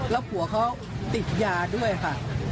แล้วผัวเขาติดยาด้วยค่ะ